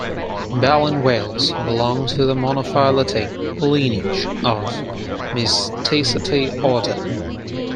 Baleen whales belong to the monophyletic lineage of Mysticeti order.